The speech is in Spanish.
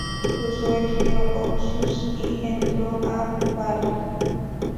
Cruzó el río Oxus y entró a Balj.